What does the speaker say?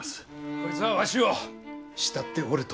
こいつはわしを慕っておると。